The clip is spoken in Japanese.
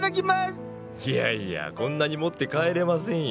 いやいやこんなに持って帰れませんよ。